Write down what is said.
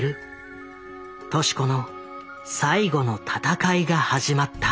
敏子の最後の闘いが始まった。